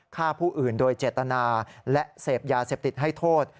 ฆ่าผู้อื่นโดยเจตนาและเสพยาเสพติดให้โทษ